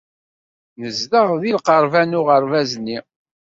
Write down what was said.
Nezdeɣ deg lqerban n uɣerbaz-nni.